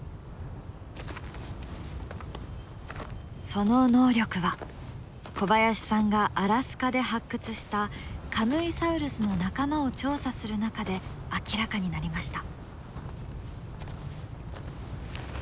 その能力は小林さんがアラスカで発掘したカムイサウルスの仲間を調査する中で明らかになりました。